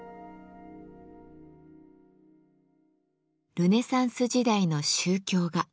ルネサンス時代の宗教画。